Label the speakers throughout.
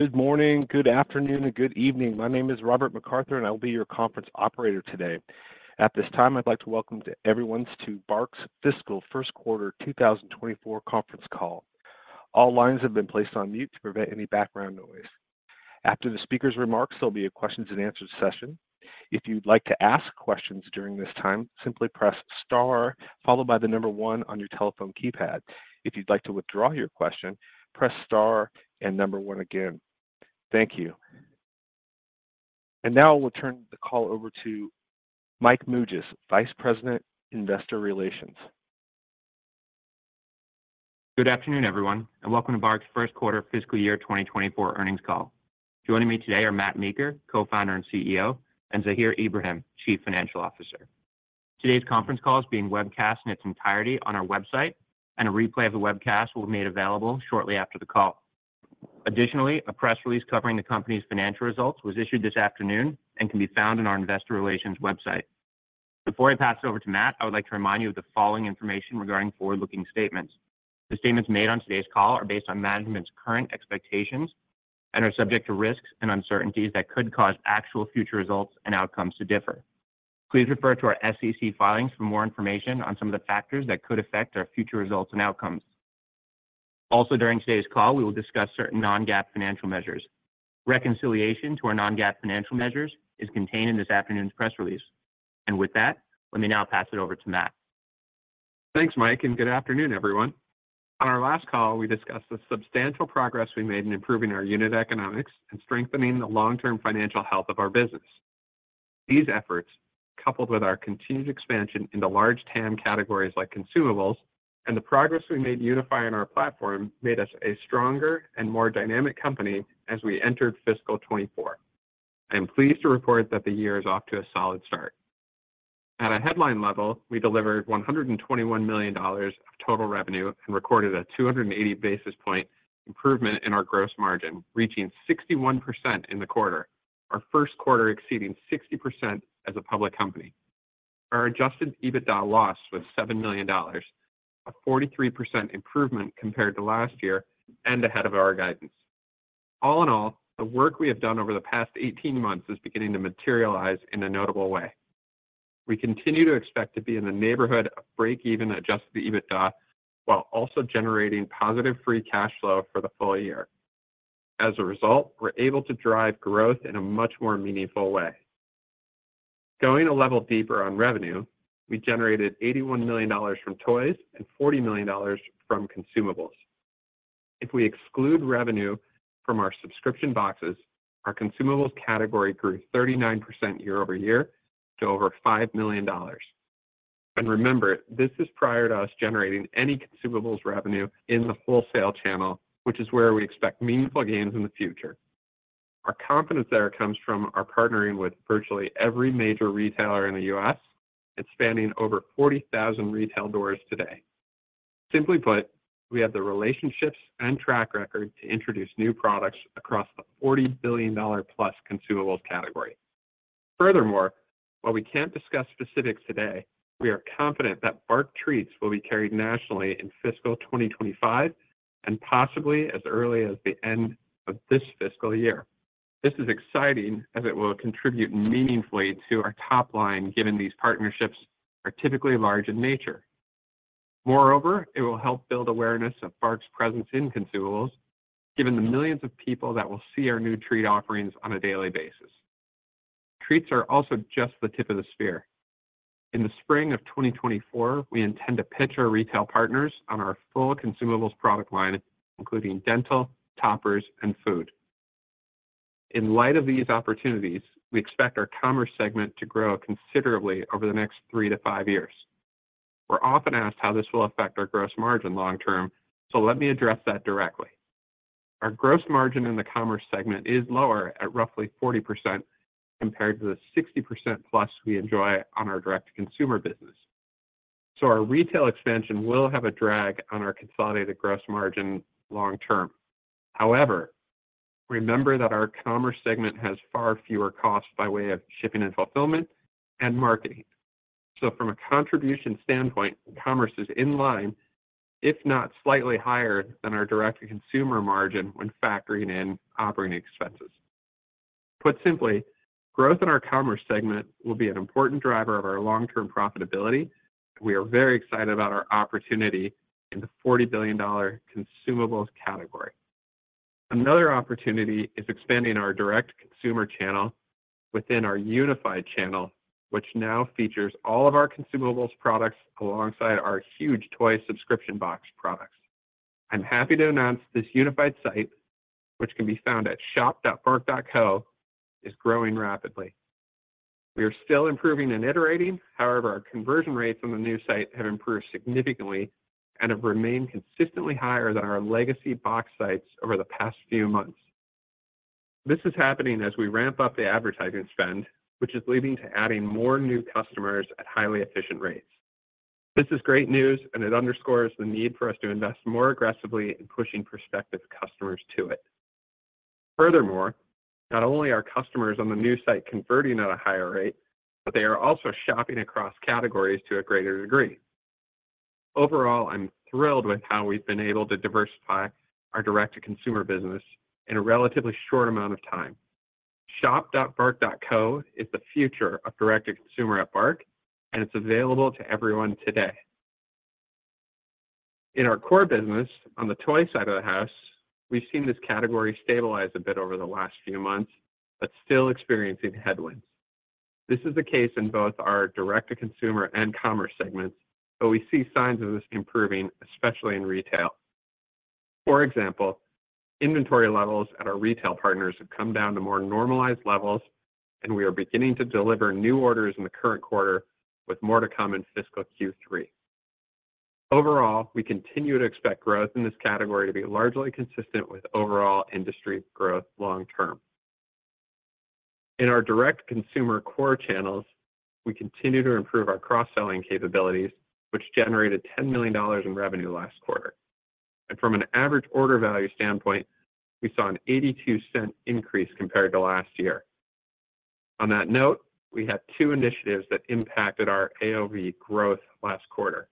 Speaker 1: Good morning, good afternoon, and good evening. My name is Robert MacArthur, and I'll be your conference operator today. At this time, I'd like to welcome to everyone to BARK's Fiscal Q1 2024 conference call. All lines have been placed on mute to prevent any background noise. After the speaker's remarks, there'll be a questions and answer session. If you'd like to ask questions during this time, simply press Star, followed by 1 on your telephone keypad. If you'd like to withdraw your question, press Star and 1 again. Thank you. Now we'll turn the call over to Mike Mougias, Vice President, Investor Relations.
Speaker 2: Good afternoon, everyone, welcome to BARK's Q1 fiscal year 2024 earnings call. Joining me today are Matt Meeker, Co-Founder and CEO, and Zahir Ibrahim, Chief Financial Officer. Today's conference call is being webcast in its entirety on our website, and a replay of the webcast will be made available shortly after the call. A press release covering the company's financial results was issued this afternoon and can be found on our investor relations website. Before I pass it over to Matt, I would like to remind you of the following information regarding forward-looking statements. The statements made on today's call are based on management's current expectations and are subject to risks and uncertainties that could cause actual future results and outcomes to differ. Please refer to our SEC filings for more information on some of the factors that could affect our future results and outcomes. Also, during today's call, we will discuss certain non-GAAP financial measures. Reconciliation to our non-GAAP financial measures is contained in this afternoon's press release. With that, let me now pass it over to Matt.
Speaker 3: Thanks, Mike. Good afternoon, everyone. On our last call, we discussed the substantial progress we made in improving our unit economics and strengthening the long-term financial health of our business. These efforts, coupled with our continued expansion into large TAM categories like consumables and the progress we made unifying our platform, made us a stronger and more dynamic company as we entered fiscal 2024. I am pleased to report that the year is off to a solid start. At a headline level, we delivered $121 million of total revenue and recorded a 280 basis point improvement in our gross margin, reaching 61% in the quarter, our Q1 exceeding 60% as a public company. Our Adjusted EBITDA loss was $7 million, a 43% improvement compared to last year and ahead of our guidance. All in all, the work we have done over the past 18 months is beginning to materialize in a notable way. We continue to expect to be in the neighborhood of break-even Adjusted EBITDA, while also generating positive Free Cash Flow for the full year. As a result, we're able to drive growth in a much more meaningful way. Going a level deeper on revenue, we generated $81 million from toys and $40 million from consumables. If we exclude revenue from our subscription boxes, our consumables category grew 39% year-over-year to over $5 million. Remember, this is prior to us generating any consumables revenue in the wholesale channel, which is where we expect meaningful gains in the future. Our confidence there comes from our partnering with virtually every major retailer in the US, expanding over 40,000 retail doors today. Simply put, we have the relationships and track record to introduce new products across the $40 billion+ consumables category. While we can't discuss specifics today, we are confident that BARK treats will be carried nationally in FY 2025 and possibly as early as the end of this fiscal year. This is exciting as it will contribute meaningfully to our top line, given these partnerships are typically large in nature. It will help build awareness of BARK's presence in consumables, given the millions of people that will see our new treat offerings on a daily basis. Treats are also just the tip of the spear. In the spring of 2024, we intend to pitch our retail partners on our full consumables product line, including dental, toppers, and food. In light of these opportunities, we expect our commerce segment to grow considerably over the next three to five years. We're often asked how this will affect our gross margin long term, so let me address that directly. Our gross margin in the commerce segment is lower at roughly 40% compared to the 60%+ we enjoy on our direct-to-consumer business. Our retail expansion will have a drag on our consolidated gross margin long term. However, remember that our commerce segment has far fewer costs by way of shipping and fulfillment and marketing. From a contribution standpoint, commerce is in line, if not slightly higher than our direct-to-consumer margin when factoring in operating expenses. Put simply, growth in our commerce segment will be an important driver of our long-term profitability. We are very excited about our opportunity in the 40 billion dollar consumables category. Another opportunity is expanding our direct consumer channel within our unified channel, which now features all of our consumables products alongside our huge toy subscription box products. I'm happy to announce this unified site, which can be found at shop.bark.co, is growing rapidly. We are still improving and iterating. However, our conversion rates on the new site have improved significantly and have remained consistently higher than our legacy box sites over the past few months. This is happening as we ramp up the advertising spend, which is leading to adding more new customers at highly efficient rates. This is great news, and it underscores the need for us to invest more aggressively in pushing prospective customers to it. Furthermore, not only are customers on the new site converting at a higher rate, but they are also shopping across categories to a greater degree.... Overall, I'm thrilled with how we've been able to diversify our direct-to-consumer business in a relatively short amount of time. shop.bark.co is the future of direct-to-consumer at BARK, and it's available to everyone today. In our core business, on the toy side of the house, we've seen this category stabilize a bit over the last few months, but still experiencing headwinds. This is the case in both our direct-to-consumer and commerce segments, but we see signs of this improving, especially in retail. For example, inventory levels at our retail partners have come down to more normalized levels, and we are beginning to deliver new orders in the current quarter, with more to come in fiscal Q3. Overall, we continue to expect growth in this category to be largely consistent with overall industry growth long term. In our D2C core channels, we continue to improve our cross-selling capabilities, which generated $10 million in revenue last quarter. From an average order value standpoint, we saw an $0.82 increase compared to last year. On that note, we had two initiatives that impacted our AOV growth last quarter.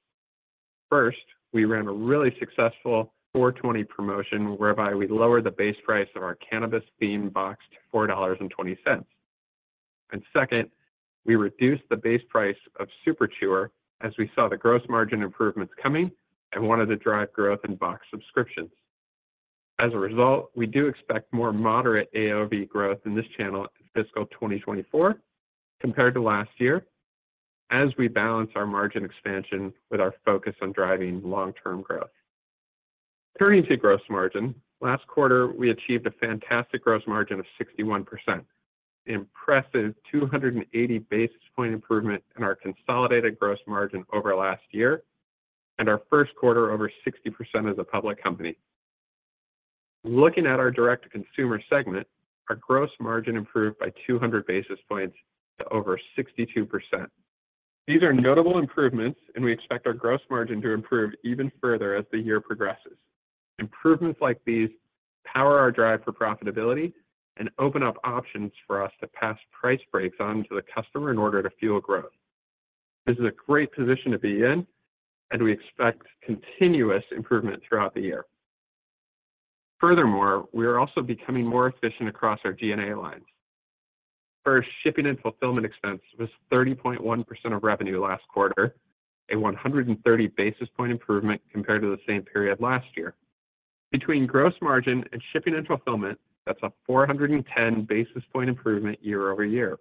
Speaker 3: First, we ran a really successful 4/20 promotion, whereby we lowered the base price of our cannabis-themed box to $4.20. Second, we reduced the base price of Super Chewer as we saw the gross margin improvements coming and wanted to drive growth in box subscriptions. As a result, we do expect more moderate AOV growth in this channel in FY 2024 compared to last year, as we balance our margin expansion with our focus on driving long-term growth. Turning to gross margin, last quarter, we achieved a fantastic gross margin of 61%, impressive 280 basis point improvement in our consolidated gross margin over last year, and our Q1 over 60% as a public company. Looking at our direct-to-consumer segment, our gross margin improved by 200 basis points to over 62%. These are notable improvements. We expect our gross margin to improve even further as the year progresses. Improvements like these power our drive for profitability and open up options for us to pass price breaks on to the customer in order to fuel growth. This is a great position to be in. We expect continuous improvement throughout the year. Furthermore, we are also becoming more efficient across our G&A lines. Our shipping and fulfillment expense was 30.1 of revenue last quarter, a 130 basis point improvement compared to the same period last year. Between gross margin and shipping and fulfillment, that's a 410 basis point improvement year-over-year.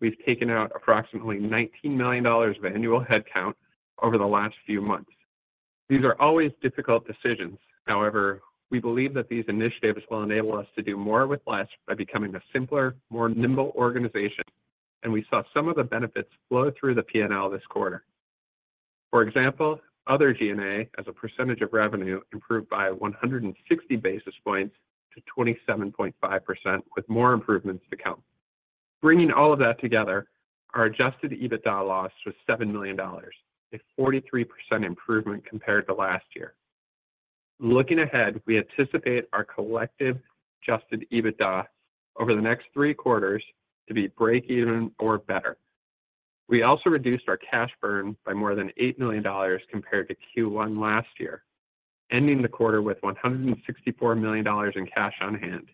Speaker 3: We've taken out approximately $19 million of annual headcount over the last few months. These are always difficult decisions. We believe that these initiatives will enable us to do more with less by becoming a simpler, more nimble organization, and we saw some of the benefits flow through the P&L this quarter. Other G&A, as a percentage of revenue, improved by 160 basis points to 27.5%, with more improvements to come. Bringing all of that together, our Adjusted EBITDA loss was $7 million, a 43% improvement compared to last year. Looking ahead, we anticipate our collective Adjusted EBITDA over the next Q3 to be break even or better. We also reduced our cash burn by more than $8 million compared to Q1 last year, ending the quarter with $164 million in cash on hand.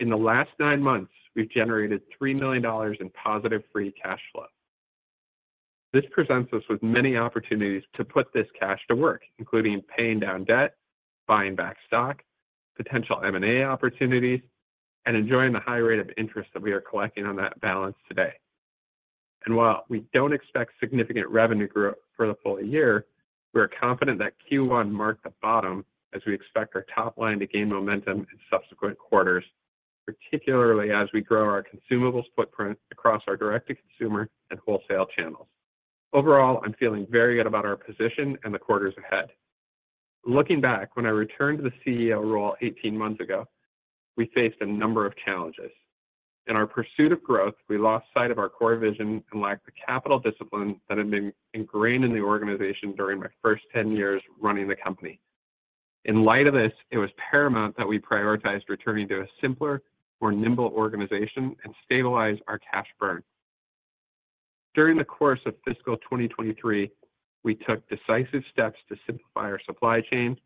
Speaker 3: In the last 9 months, we've generated $3 million in positive Free Cash Flow. This presents us with many opportunities to put this cash to work, including paying down debt, buying back stock, potential M&A opportunities, and enjoying the high rate of interest that we are collecting on that balance today. While we don't expect significant revenue growth for the full year, we are confident that Q1 marked the bottom as we expect our top line to gain momentum in subsequent quarters, particularly as we grow our consumables footprint across our direct-to-consumer and wholesale channels. Overall, I'm feeling very good about our position and the quarters ahead. Looking back, when I returned to the CEO role 18 months ago, we faced a number of challenges. In our pursuit of growth, we lost sight of our core vision and lacked the capital discipline that had been ingrained in the organization during my first 10 years running the company. In light of this, it was paramount that we prioritized returning to a simpler, more nimble organization and stabilize our cash burn. During the course of fiscal 2023, we took decisive steps to simplify our supply chain,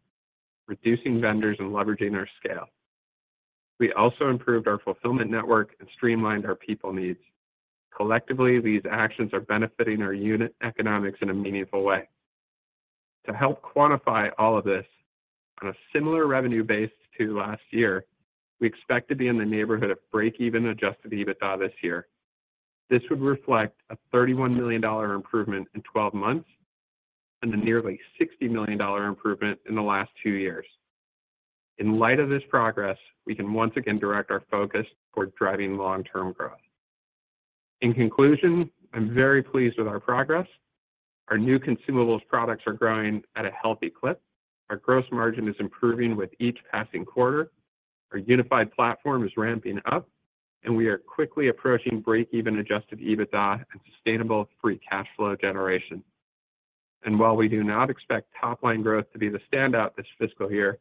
Speaker 3: reducing vendors and leveraging our scale. We also improved our fulfillment network and streamlined our people needs. Collectively, these actions are benefiting our unit economics in a meaningful way. To help quantify all of this, on a similar revenue base to last year, we expect to be in the neighborhood of break-even Adjusted EBITDA this year. This would reflect a $31 million improvement in 12 months, and a nearly $60 million improvement in the last two years. In light of this progress, we can once again direct our focus toward driving long-term growth. In conclusion, I'm very pleased with our progress. Our new consumables products are growing at a healthy clip. Our gross margin is improving with each passing quarter. Our unified platform is ramping up, and we are quickly approaching break-even Adjusted EBITDA and sustainable Free Cash Flow generation. While we do not expect top-line growth to be the standout this fiscal year.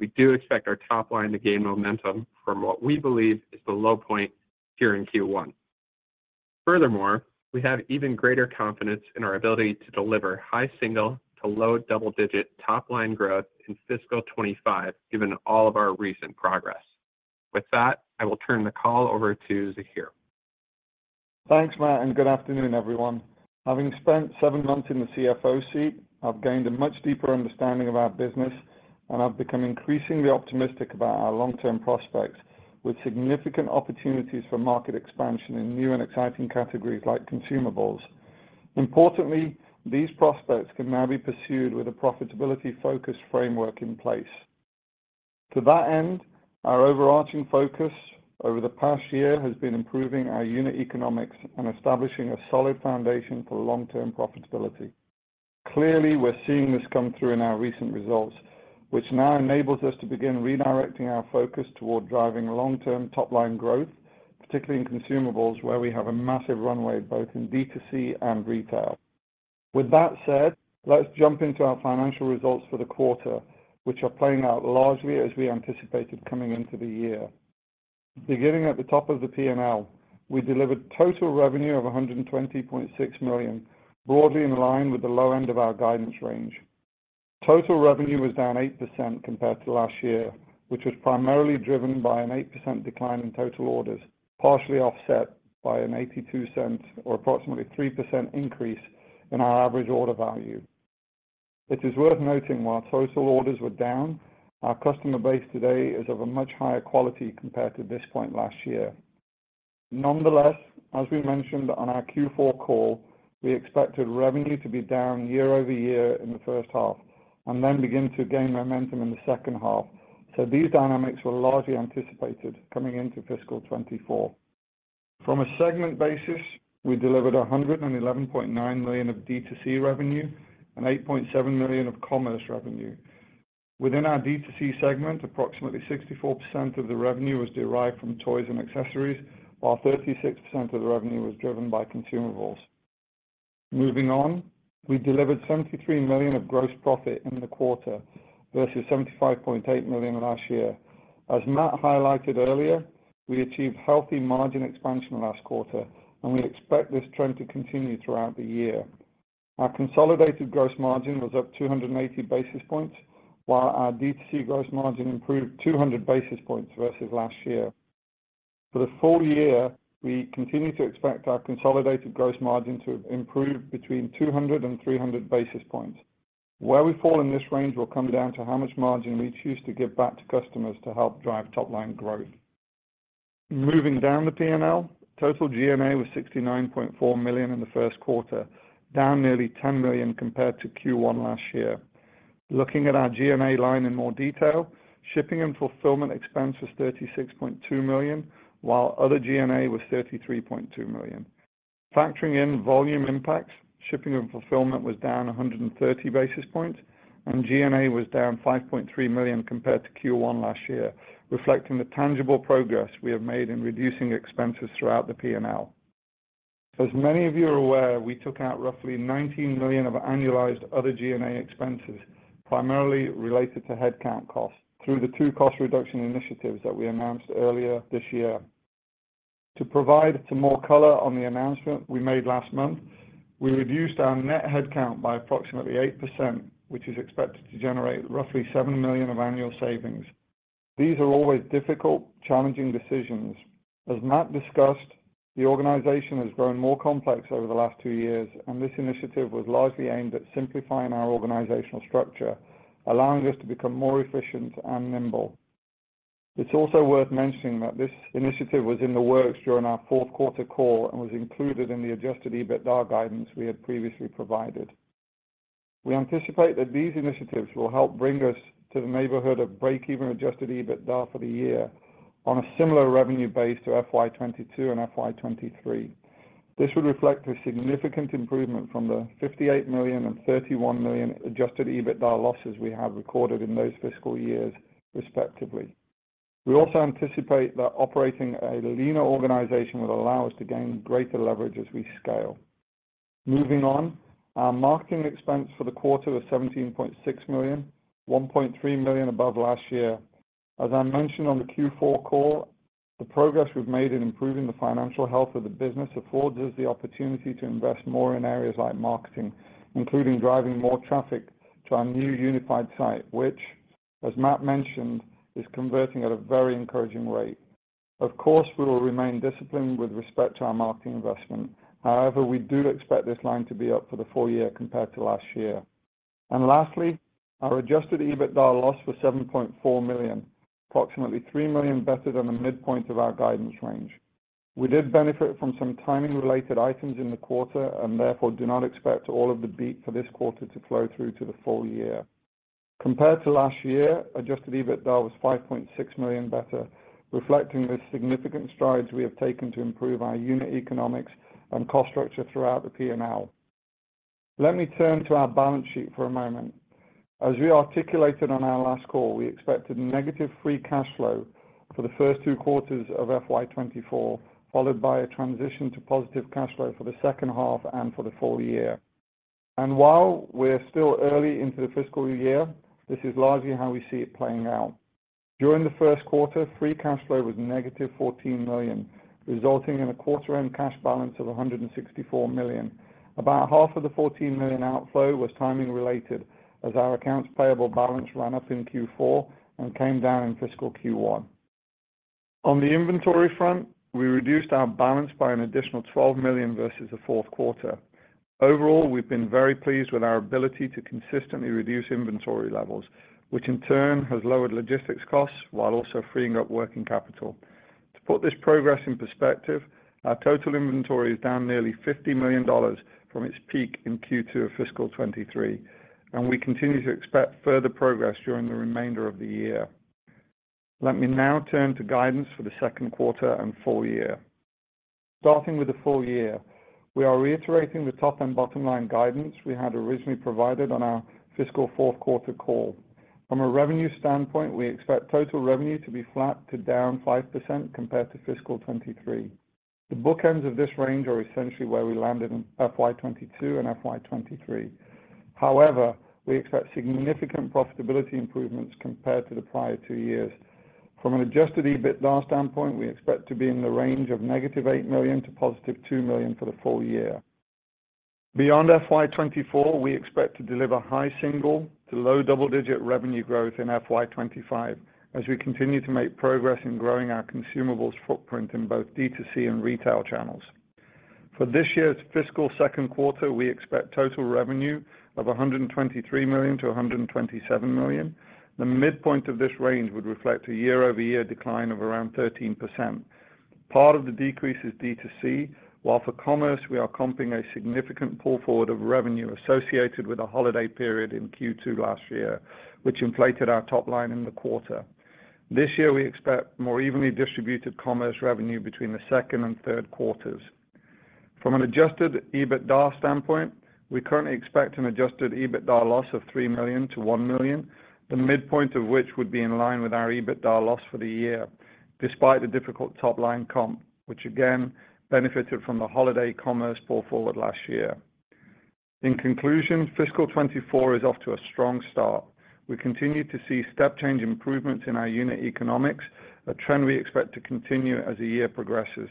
Speaker 3: We do expect our top line to gain momentum from what we believe is the low point here in Q1. Furthermore, we have even greater confidence in our ability to deliver high single to low double-digit top line growth in FY 2025, given all of our recent progress. With that, I will turn the call over to Zahir.
Speaker 4: Thanks, Matt, and good afternoon, everyone. Having spent seven months in the CFO seat, I've gained a much deeper understanding of our business, and I've become increasingly optimistic about our long-term prospects, with significant opportunities for market expansion in new and exciting categories like consumables. Importantly, these prospects can now be pursued with a profitability-focused framework in place. To that end, our overarching focus over the past year has been improving our unit economics and establishing a solid foundation for long-term profitability. Clearly, we're seeing this come through in our recent results, which now enables us to begin redirecting our focus toward driving long-term top-line growth, particularly in consumables, where we have a massive runway, both in D2C and retail. With that said, let's jump into our financial results for the quarter, which are playing out largely as we anticipated coming into the year. Beginning at the top of the P&L, we delivered total revenue of $120.6 million, broadly in line with the low end of our guidance range. Total revenue was down 8% compared to last year, which was primarily driven by an 8% decline in total orders, partially offset by a $0.82 or approximately 3% increase in our average order value. It is worth noting, while total orders were down, our customer base today is of a much higher quality compared to this point last year. Nonetheless, as we mentioned on our Q4 call, we expected revenue to be down year-over-year in the first half and then begin to gain momentum in the second half. These dynamics were largely anticipated coming into fiscal 2024. From a segment basis, we delivered $111.9 million of D2C revenue and $8.7 million of commerce revenue. Within our D2C segment, approximately 64% of the revenue was derived from toys and accessories, while 36% of the revenue was driven by consumables. Moving on, we delivered $73 million of gross profit in the quarter, versus $75.8 million last year. As Matt highlighted earlier, we achieved healthy margin expansion last quarter, and we expect this trend to continue throughout the year. Our consolidated gross margin was up 280 basis points, while our D2C gross margin improved 200 basis points versus last year. For the full year, we continue to expect our consolidated gross margin to improve between 200 and 300 basis points. Where we fall in this range will come down to how much margin we choose to give back to customers to help drive top-line growth. Moving down the P&L, total G&A was $69.4 million in the Q1, down nearly $10 million compared to Q1 last year. Looking at our G&A line in more detail, shipping and fulfillment expense was $36.2 million, while other G&A was $33.2 million. Factoring in volume impacts, shipping and fulfillment was down 130 basis points, and G&A was down $5.3 million compared to Q1 last year, reflecting the tangible progress we have made in reducing expenses throughout the P&L. As many of you are aware, we took out roughly $19 million of annualized other G&A expenses, primarily related to headcount costs through the two cost reduction initiatives that we announced earlier this year. To provide some more color on the announcement we made last month, we reduced our net headcount by approximately 8%, which is expected to generate roughly $7 million of annual savings. These are always difficult, challenging decisions. As Matt discussed, the organization has grown more complex over the last two years, and this initiative was largely aimed at simplifying our organizational structure, allowing us to become more efficient and nimble. It's also worth mentioning that this initiative was in the works during our Q4 call and was included in the Adjusted EBITDA guidance we had previously provided. We anticipate that these initiatives will help bring us to the neighborhood of break-even Adjusted EBITDA for the year on a similar revenue base to FY 2022 and FY 2023. This would reflect a significant improvement from the $58 million and $31 million Adjusted EBITDA losses we have recorded in those fiscal years, respectively. We also anticipate that operating a leaner organization will allow us to gain greater leverage as we scale. Moving on, our marketing expense for the quarter was $17.6 million, $1.3 million above last year. As I mentioned on the Q4 call, the progress we've made in improving the financial health of the business affords us the opportunity to invest more in areas like marketing, including driving more traffic to our new unified site, which, as Matt mentioned, is converting at a very encouraging rate. Of course, we will remain disciplined with respect to our marketing investment. However, we do expect this line to be up for the full year compared to last year. Lastly, our Adjusted EBITDA loss was $7.4 million, approximately $3 million better than the midpoint of our guidance range. We did benefit from some timing-related items in the quarter and therefore do not expect all of the beat for this quarter to flow through to the full year. Compared to last year, Adjusted EBITDA was $5.6 million better, reflecting the significant strides we have taken to improve our unit economics and cost structure throughout the P&L. Let me turn to our balance sheet for a moment. As we articulated on our last call, we expected negative Free Cash Flow for the first Q2 of FY 2024, followed by a transition to positive cash flow for the second half and for the full year.... While we're still early into the fiscal year, this is largely how we see it playing out. During the Q1, free cash flow was negative $14 million, resulting in a quarter-end cash balance of $164 million. About half of the $14 million outflow was timing related, as our accounts payable balance ran up in Q4 and came down in fiscal Q1. On the inventory front, we reduced our balance by an additional $12 million versus the Q4. Overall, we've been very pleased with our ability to consistently reduce inventory levels, which in turn has lowered logistics costs while also freeing up working capital. To put this progress in perspective, our total inventory is down nearly $50 million from its peak in Q2 of fiscal 2023, and we continue to expect further progress during the remainder of the year. Let me now turn to guidance for the Q2 and full year. Starting with the full year, we are reiterating the top and bottom-line guidance we had originally provided on our fiscal Q4 call. From a revenue standpoint, we expect total revenue to be flat to down 5% compared to FY 2023. The bookends of this range are essentially where we landed in FY 2022 and FY 2023. However, we expect significant profitability improvements compared to the prior two years. From an Adjusted EBITDA standpoint, we expect to be in the range of -$8 million to +$2 million for the full year. Beyond FY 2024, we expect to deliver high single- to low double-digit revenue growth in FY 2025 as we continue to make progress in growing our consumables footprint in both D2C and retail channels. For this year's fiscal Q2, we expect total revenue of $123 million-$127 million. The midpoint of this range would reflect a year-over-year decline of around 13%. Part of the decrease is D2C, while for commerce, we are comping a significant pull forward of revenue associated with the holiday period in Q2 last year, which inflated our top line in the quarter. This year, we expect more evenly distributed commerce revenue between the second and Q3. From an Adjusted EBITDA standpoint, we currently expect an Adjusted EBITDA loss of $3 million-$1 million, the midpoint of which would be in line with our EBITDA loss for the year, despite the difficult top-line comp, which again benefited from the holiday commerce pull forward last year. In conclusion, FY 2024 is off to a strong start. We continue to see step change improvements in our unit economics, a trend we expect to continue as the year progresses.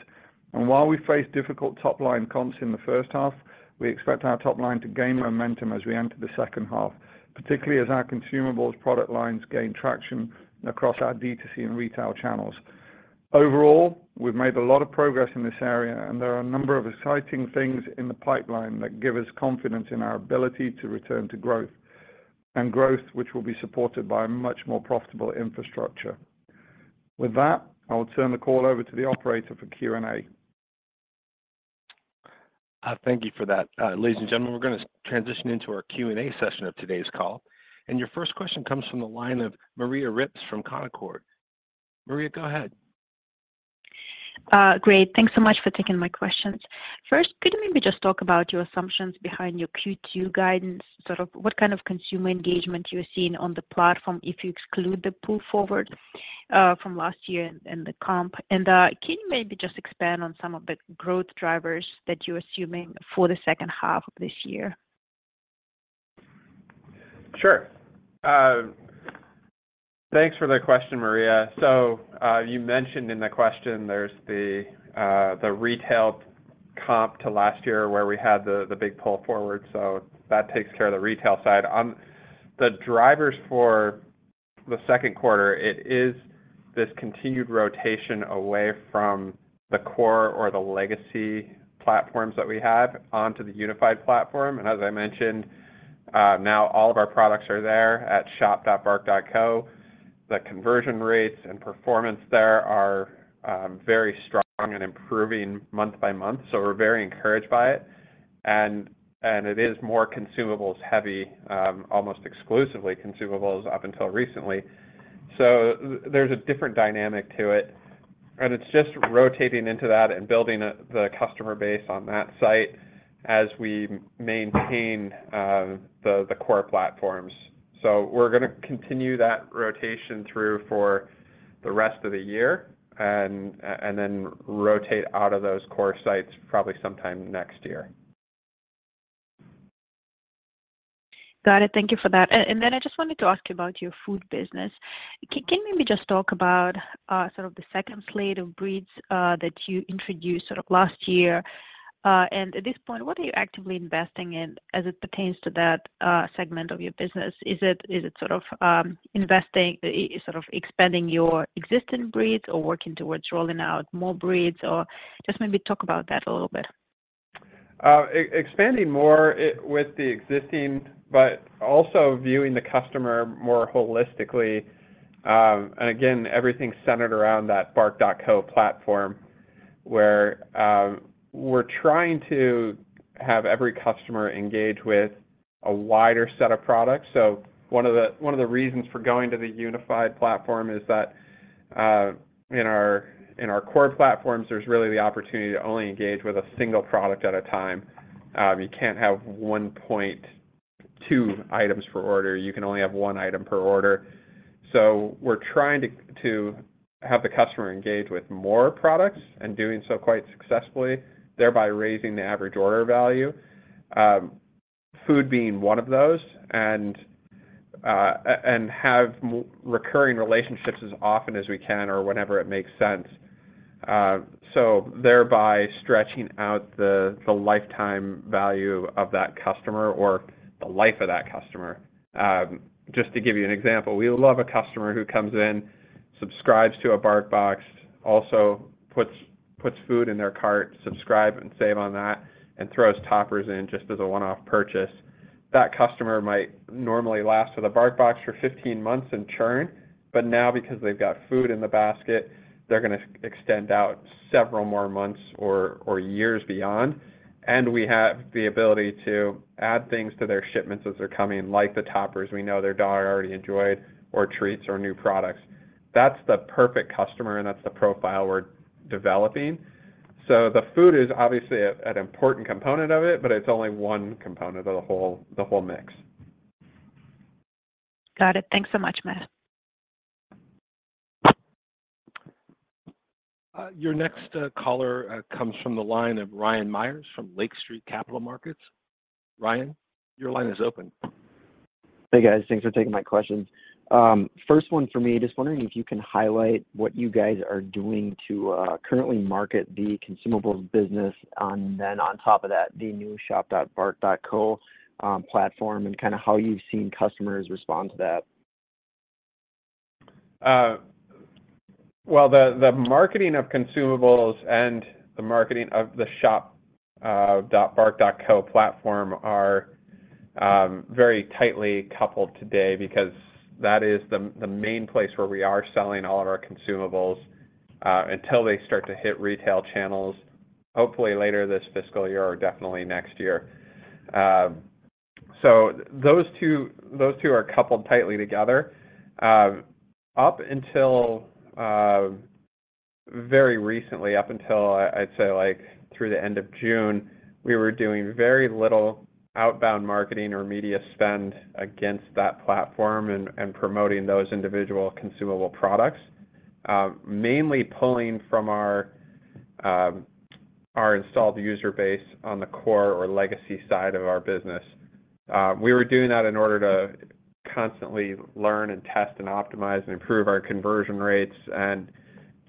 Speaker 4: While we face difficult top-line comps in the first half, we expect our top line to gain momentum as we enter the second half, particularly as our consumables product lines gain traction across our D2C and retail channels. Overall, we've made a lot of progress in this area. There are a number of exciting things in the pipeline that give us confidence in our ability to return to growth, and growth, which will be supported by a much more profitable infrastructure. With that, I will turn the call over to the operator for Q&A.
Speaker 1: Thank you for that. Ladies and gentlemen, we're gonna transition into our Q&A session of today's call. Your first question comes from the line of Maria Ripps from Canaccord. Maria, go ahead.
Speaker 5: Great. Thanks so much for taking my questions. First, could you maybe just talk about your assumptions behind your Q2 guidance? Sort of what kind of consumer engagement you're seeing on the platform if you exclude the pull forward, from last year and the comp? Can you maybe just expand on some of the growth drivers that you're assuming for the second half of this year?
Speaker 3: Sure. Thanks for the question, Maria. You mentioned in the question, there's the retail comp to last year where we had the big pull forward, so that takes care of the retail side. On the drivers for the Q2, it is this continued rotation away from the core or the legacy platforms that we have onto the unified platform. As I mentioned, now all of our products are there at shop.bark.co. The conversion rates and performance there are very strong and improving month by month, so we're very encouraged by it. And it is more consumables heavy, almost exclusively consumables up until recently. There's a different dynamic to it, and it's just rotating into that and building the customer base on that site as we maintain the core platforms. we're gonna continue that rotation through for the rest of the year and then rotate out of those core sites probably sometime next year.
Speaker 5: Got it. Thank you for that. Then I just wanted to ask you about your food business. Can you maybe just talk about, sort of the second slate of breeds that you introduced sort of last year? At this point, what are you actively investing in as it pertains to that segment of your business? Is it, is it sort of investing, sort of expanding your existing breeds or working towards rolling out more breeds? Or just maybe talk about that a little bit.
Speaker 3: Expanding more with the existing, but also viewing the customer more holistically. And again, everything centered around that bark.co platform, where we're trying to have every customer engage with a wider set of products. One of the, one of the reasons for going to the unified platform is that, in our, in our core platforms, there's really the opportunity to only engage with a single product at a time. You can't have 1.2 items per order, you can only have 1 item per order. We're trying to, to have the customer engage with more products, and doing so quite successfully, thereby raising the average order value, food being one of those. and have recurring relationships as often as we can or whenever it makes sense, so thereby stretching out the, the lifetime value of that customer or the life of that customer. Just to give you an example: we love a customer who comes in, subscribes to a BarkBox, also puts, puts food in their cart, subscribe and save on that, and throws toppers in just as a one-off purchase. That customer might normally last with a BarkBox for 15 months and churn, now, because they've got food in the basket, they're gonna extend out several more months or, years beyond. We have the ability to add things to their shipments as they're coming, like the toppers we know their dog already enjoyed or treats or new products. That's the perfect customer, and that's the profile we're developing. The food is obviously an important component of it, but it's only one component of the whole, the whole mix.
Speaker 6: Got it. Thanks so much, Matt.
Speaker 1: Your next caller comes from the line of Ryan Meyers from Lake Street Capital Markets. Ryan, your line is open.
Speaker 7: Hey, guys. Thanks for taking my questions. First one for me, just wondering if you can highlight what you guys are doing to currently market the consumables business, and then on top of that, the new shop.bark.co platform, and kinda how you've seen customers respond to that?
Speaker 3: Well, the, the marketing of consumables and the marketing of the shop.bark.co platform are very tightly coupled today because that is the main place where we are selling all of our consumables until they start to hit retail channels, hopefully later this fiscal year or definitely next year. So those two, those two are coupled tightly together. Up until very recently, up until, I, I'd say, like, through the end of June, we were doing very little outbound marketing or media spend against that platform and, and promoting those individual consumable products, mainly pulling from our installed user base on the core or legacy side of our business. We were doing that in order to constantly learn and test and optimize and improve our conversion rates and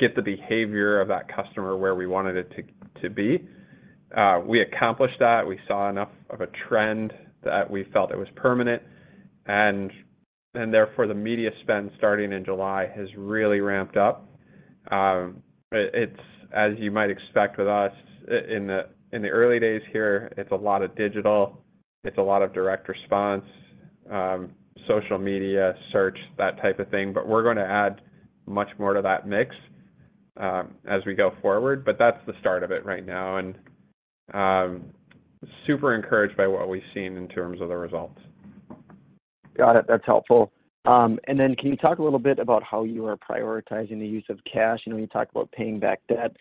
Speaker 3: get the behavior of that customer where we wanted it to, to be. We accomplished that. We saw enough of a trend that we felt it was permanent, and, and therefore, the media spend starting in July has really ramped up. It, it's, as you might expect with us in the, in the early days here, it's a lot of digital, it's a lot of direct response, social media, search, that type of thing, but we're gonna add much more to that mix, as we go forward. That's the start of it right now, and, super encouraged by what we've seen in terms of the results.
Speaker 7: Got it. That's helpful. Can you talk a little bit about how you are prioritizing the use of cash?, you talked about paying back debt,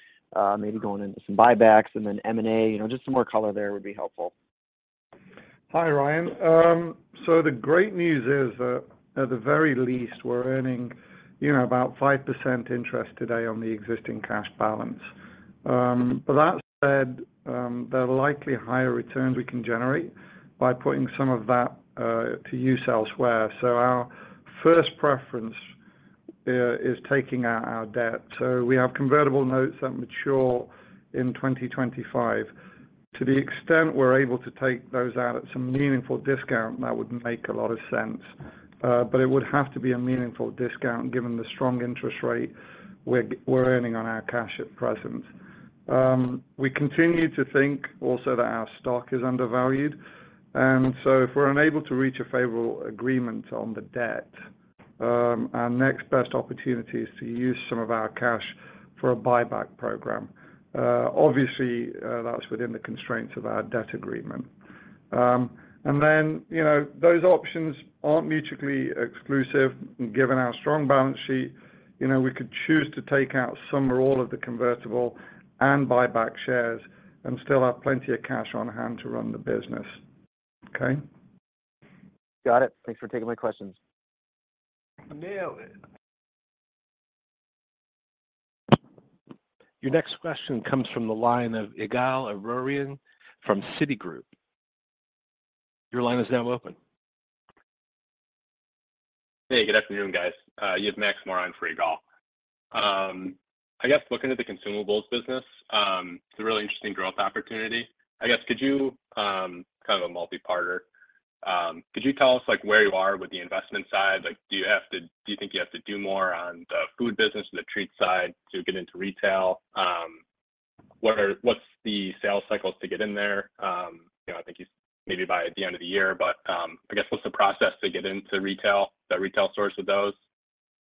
Speaker 7: maybe going into some buybacks and then M&A., just some more color there would be helpful.
Speaker 4: Hi, Ryan. The great news is that, at the very least, we're earning about 5% interest today on the existing cash balance. That said, there are likely higher returns we can generate by putting some of that to use elsewhere. Our first preference is taking out our debt. We have convertible notes that mature in 2025. To the extent we're able to take those out at some meaningful discount, that would make a lot of sense, it would have to be a meaningful discount, given the strong interest rate we're earning on our cash at present. We continue to think also that our stock is undervalued, and so if we're unable to reach a favorable agreement on the debt, our next best opportunity is to use some of our cash for a buyback program. Obviously, that's within the constraints of our debt agreement. Then, those options aren't mutually exclusive, and given our strong balance sheet, we could choose to take out some or all of the convertible and buy back shares and still have plenty of cash on hand to run the business. Okay?
Speaker 7: Got it. Thanks for taking my questions.
Speaker 4: Nailed it!
Speaker 1: Your next question comes from the line of Ygal Arounian from Citigroup. Your line is now open.
Speaker 6: Hey, good afternoon, guys. You have Max Moran for Ygal. I guess looking at the consumables business, it's a really interesting growth opportunity. I guess, could you... Kind of a multi-parter. Could you tell us, like, where you are with the investment side? Like, do you have to- do you think you have to do more on the food business and the treats side to get into retail? What are- what's the sales cycles to get in there?, I think you maybe by the end of the year, but, I guess, what's the process to get into retail, the retail source of those?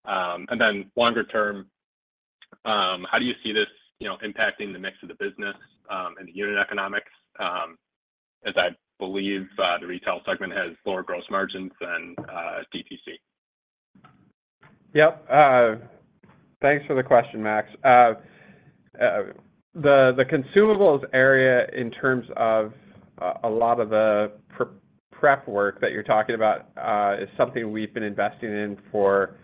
Speaker 6: And then longer term, how do you see this impacting the mix of the business, and the unit economics? As I believe, the retail segment has lower gross margins than DTC.
Speaker 3: Yep. Thanks for the question, Max. The consumables area, in terms of a, a lot of the prep work that you're talking about, is something we've been investing in for,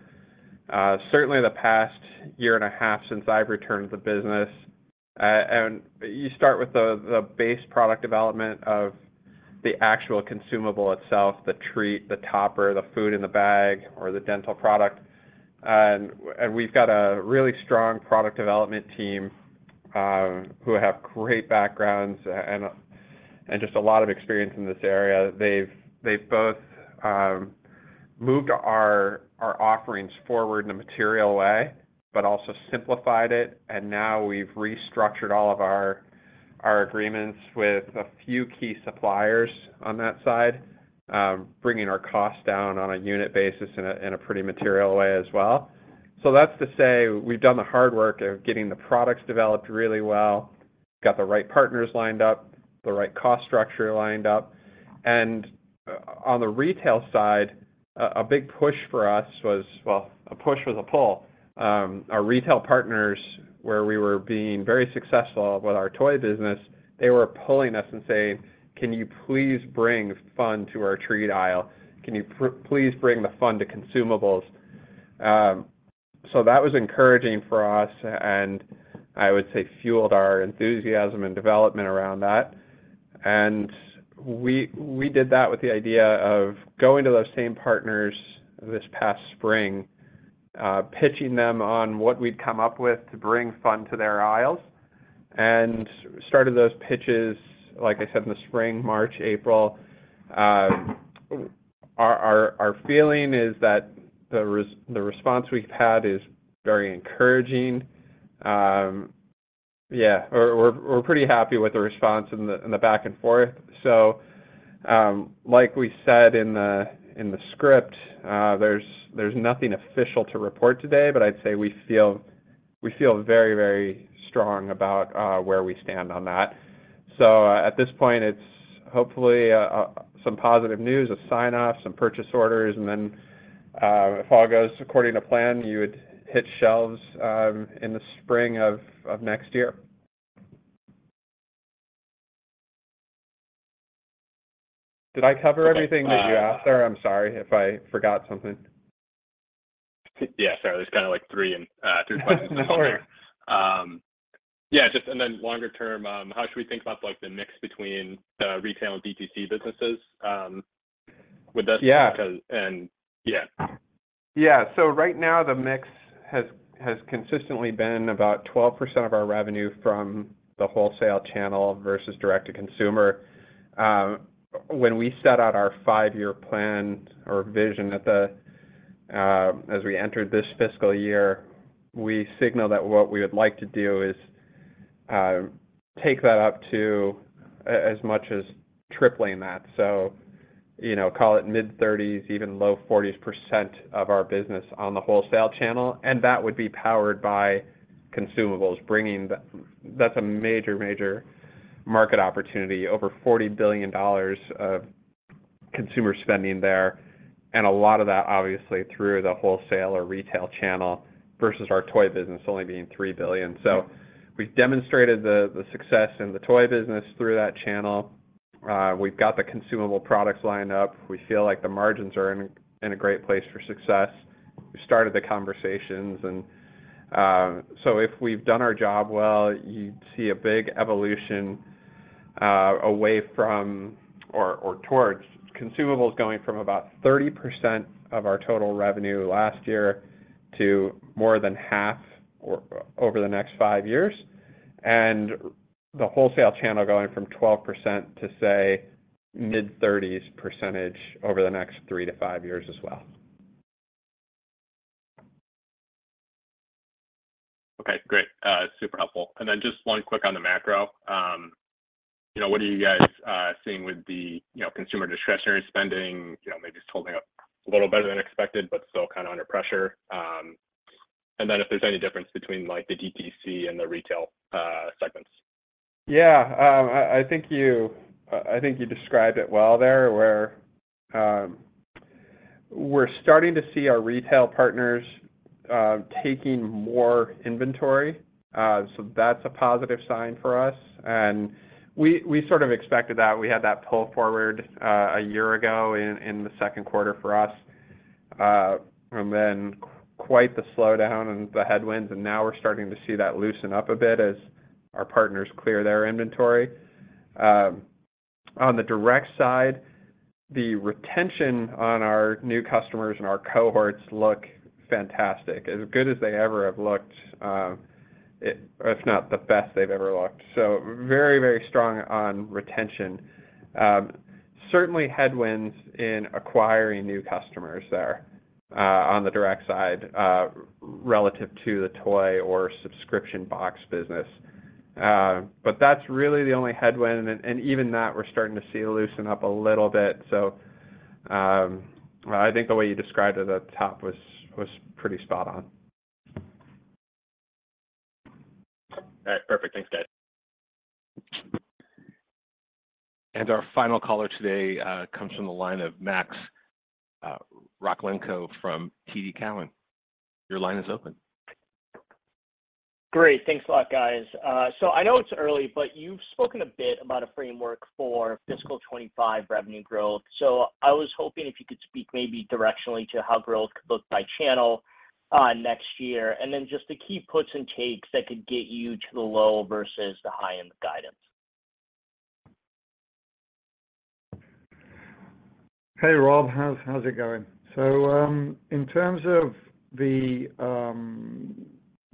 Speaker 3: certainly the past year and a half since I've returned to the business. You start with the, the base product development of the actual consumable itself, the treat, the topper, the food in the bag, or the dental product. We've got a really strong product development team, who have great backgrounds and, and just a lot of experience in this area. They've, they've both moved our, our offerings forward in a material way, but also simplified it, and now we've restructured all of our, our agreements with a few key suppliers on that side, bringing our costs down on a unit basis in a, in a pretty material way as well. That's to say, we've done the hard work of getting the products developed really well, got the right partners lined up, the right cost structure lined up. On the retail side, a, a big push for us was. Well, a push was a pull. Our retail partners, where we were being very successful with our toy business, they were pulling us and saying, "Can you please bring fun to our treat aisle? Can you please bring the fun to consumables?" So that was encouraging for us, and I would say, fueled our enthusiasm and development around that. And we, we did that with the idea of going to those same partners this past spring, pitching them on what we'd come up with to bring fun to their aisles, and started those pitches, like I said, in the spring, March, April. Our feeling is that the response we've had is very encouraging. Yeah, we're, pretty happy with the response and the, and the back and forth. Like we said in the, in the script, there's nothing official to report today, but I'd say we feel, we feel very, very strong about where we stand on that. At this point, it's hopefully, some positive news, a sign-off, some purchase orders, and then, if all goes according to plan, you would hit shelves in the spring of next year. Did I cover everything that you asked there? I'm sorry if I forgot something.
Speaker 6: Yeah, sorry. There's kind of like three and, three questions in there.
Speaker 3: No worry.
Speaker 6: Yeah, just and then longer term, how should we think about, like, the mix between the retail and DTC businesses, with this...
Speaker 3: Yeah.
Speaker 6: Yeah.
Speaker 3: Yeah. Right now, the mix has, has consistently been about 12% of our revenue from the wholesale channel versus direct-to-consumer. When we set out our five-year plan or vision at the... as we entered this fiscal year, we signaled that what we would like to do is take that up to as much as tripling that. , call it mid-30s, even low 40s% of our business on the wholesale channel, and that would be powered by consumables, bringing that's a major, major market opportunity. Over $40 billion of consumer spending there, and a lot of that, obviously, through the wholesale or retail channel, versus our toy business only being $3 billion. We've demonstrated the, the success in the toy business through that channel. We've got the consumable products lined up. We feel like the margins are in, in a great place for success. We started the conversations, and, so if we've done our job well, you'd see a big evolution, away from or, or towards consumables, going from about 30% of our total revenue last year to more than half over the next five years, and the wholesale channel going from 12% to, say, mid-30s% over the next three to five years as well.
Speaker 6: Okay, great. Super helpful. Just one quick on the macro., what are you guys seeing with the consumer discretionary spending?, maybe it's holding up a little better than expected, but still kind of under pressure. If there's any difference between, like, the DTC and the retail segments?
Speaker 3: Yeah. I, I think you, I think you described it well there, where we're starting to see our retail partners taking more inventory. That's a positive sign for us, and we, we sort of expected that. We had that pull forward a year ago in the Q2 for us, and then quite the slowdown and the headwinds, and now we're starting to see that loosen up a bit as our partners clear their inventory. On the direct side, the retention on our new customers and our cohorts look fantastic, as good as they ever have looked, if, if not the best they've ever looked. Very, very strong on retention. Certainly headwinds in acquiring new customers there, on the direct side, relative to the toy or subscription box business. That's really the only headwind, and, and even that, we're starting to see it loosen up a little bit. I think the way you described it at the top was, was pretty spot on. Perfect. Thanks, guys.
Speaker 1: Our final caller today, comes from the line of Max Rakle from TD Cowen. Your line is open.
Speaker 8: Great. Thanks a lot, guys. I know it's early, but you've spoken a bit about a framework for fiscal 2025 revenue growth. I was hoping if you could speak maybe directionally to how growth could look by channel next year, and then just the key puts and takes that could get you to the low versus the high end of guidance?
Speaker 4: Hey, Rob. How's, how's it going? In terms of the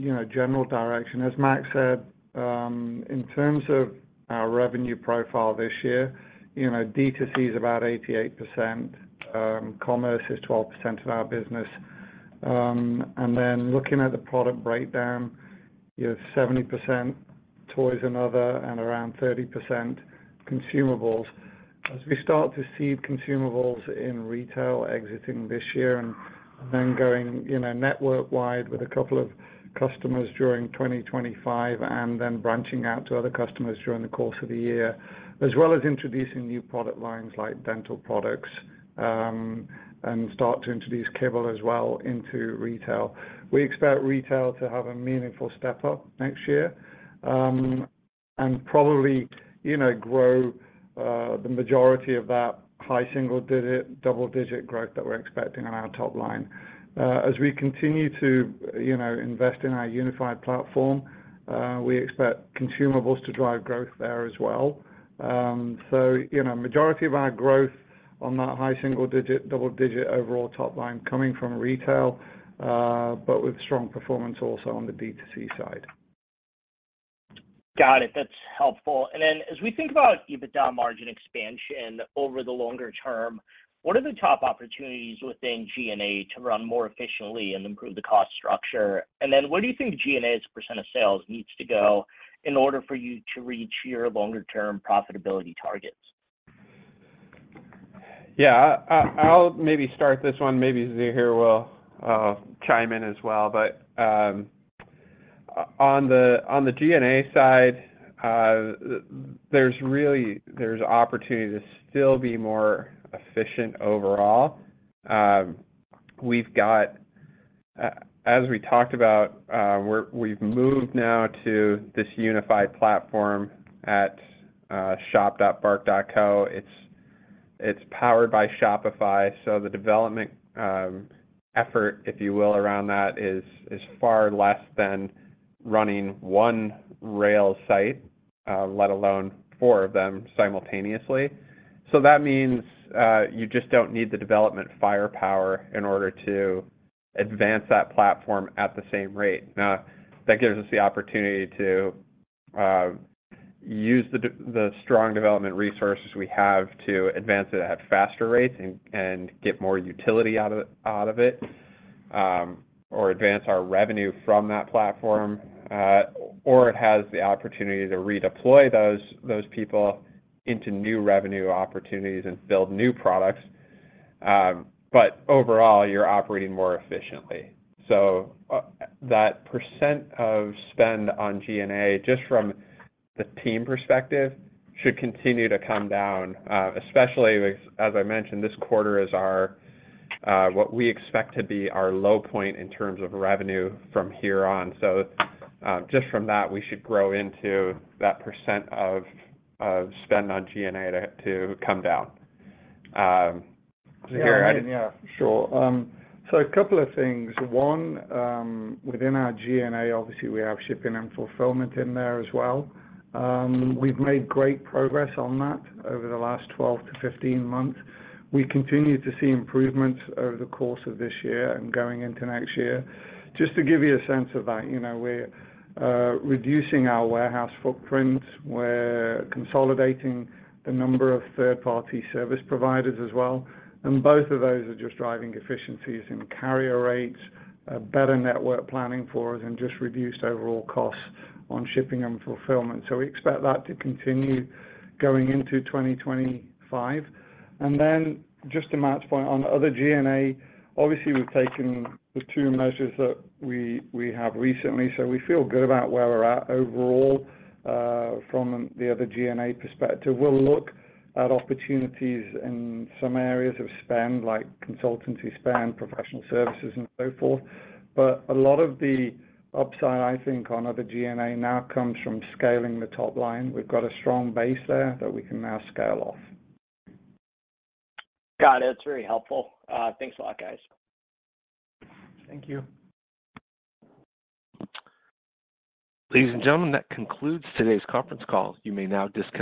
Speaker 4: general direction, as Max said, in terms of our revenue profile this year D2C is about 88%, commerce is 12% of our business. Then looking at the product breakdown, you have 70% toys and other, and around 30% consumables. As we start to see consumables in retail exiting this year and then going network-wide with a couple of customers during 2025, and then branching out to other customers during the course of the year, as well as introducing new product lines like dental products, and start to introduce kibble as well into retail. We expect retail to have a meaningful step-up next year, and probably grow, the majority of that high single-digit, double-digit growth that we're expecting on our top line. As we continue to invest in our unified platform, we expect consumables to drive growth there as well., majority of our growth on that high single-digit, double-digit overall top line coming from retail, but with strong performance also on the B2C side.
Speaker 8: Got it. That's helpful. As we think about EBITDA margin expansion over the longer term, what are the top opportunities within G&A to run more efficiently and improve the cost structure? Where do you think G&A as a % of sales needs to go in order for you to reach your longer term profitability targets?
Speaker 3: Yeah, I, I, I'll maybe start this one, maybe Zaheer will chime in as well. On the, on the G&A side, there's really, there's opportunity to still be more efficient overall. We've got, as we talked about, we've moved now to this unified platform at shop.bark.co. It's, it's powered by Shopify, the development effort, if you will, around that is, is far less than running one retail site, let alone four of them simultaneously. That means, you just don't need the development firepower in order to advance that platform at the same rate. Now, that gives us the opportunity to use the strong development resources we have to advance it at faster rates and get more utility out of, out of it, or advance our revenue from that platform, or it has the opportunity to redeploy those, those people into new revenue opportunities and build new products. Overall, you're operating more efficiently. That % of spend on G&A, just from the team perspective, should continue to come down, especially with... As I mentioned, this quarter is our what we expect to be our low point in terms of revenue from here on. Just from that, we should grow into that % of, of spend on G&A to, to come down. Zaheer, I mean-
Speaker 4: Yeah, sure. A couple of things. One, within our G&A, obviously, we have shipping and fulfillment in there as well. We've made great progress on that over the last 12 to 15 months. We continue to see improvements over the course of this year and going into next year. Just to give you a sense of that we're reducing our warehouse footprint, we're consolidating the number of third-party service providers as well, both of those are just driving efficiencies in carrier rates, better network planning for us, and just reduced overall costs on shipping and fulfillment. We expect that to continue going into 2025. Then just to match point on other G&A, obviously, we've taken the two measures that we, we have recently, so we feel good about where we're at overall, from the other G&A perspective. We'll look at opportunities in some areas of spend, like consultancy spend, professional services, and so forth. A lot of the upside, I think, on other G&A now comes from scaling the top line. We've got a strong base there that we can now scale off.
Speaker 8: Got it. It's very helpful. Thanks a lot, guys.
Speaker 4: Thank you.
Speaker 1: Ladies and gentlemen, that concludes today's conference call. You may now disconnect.